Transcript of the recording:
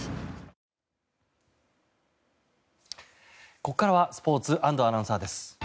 ここからスポーツ安藤アナウンサーです。